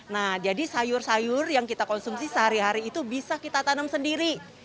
nah jadi sayur sayur yang kita konsumsi sehari hari itu bisa kita tanam sendiri